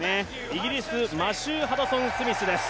イギリス、マシュー・ハドソン・スミスです。